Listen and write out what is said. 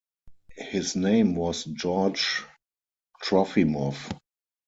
His name was George Trofimoff.